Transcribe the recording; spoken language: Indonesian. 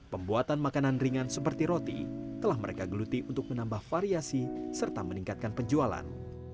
pembuatan makanan ringan seperti roti telah mereka geluti untuk menambah variasi serta meningkatkan penjualan